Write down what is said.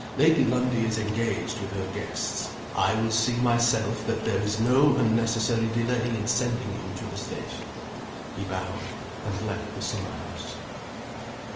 Lady Lundie is engaged with her guests. I will see myself that there is no unnecessary delay in sending you to the station." He bowed and left the summer house.